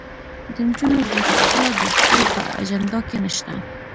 د نجونو زدهکړه د دوی په اجنډا کې نشته.